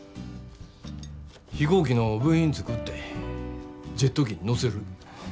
飛行機の部品作ってジェット機に載せる。